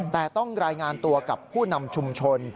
แต่ต้องรายงานตัวกับผู้นำชุมชน